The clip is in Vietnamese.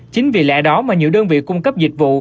chính vì lẽ đó mà nhiều đơn vị cung cấp dịch vụ